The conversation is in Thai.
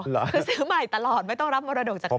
คือซื้อใหม่ตลอดไม่ต้องรับมรดกจากใคร